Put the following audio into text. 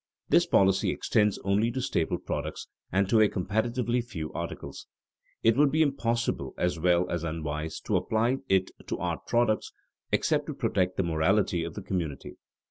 This policy extends only to staple products and to a comparatively few articles. It would be impossible as well as unwise to apply it to art products, except to protect the morality of the community.